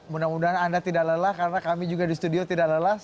mudah mudahan anda tidak lelah karena kami juga di studio tidak lelah